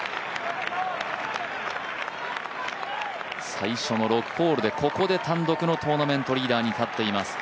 最初の６ホールで、ここで単独のトーナメントリーダーに立っています。